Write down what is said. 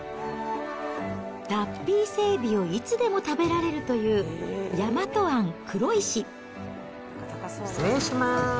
脱皮伊勢海老をいつでも食べられるという、失礼します。